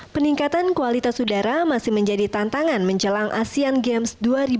peningkatan kualitas udara masih menjadi tantangan menjelang asean games dua ribu delapan belas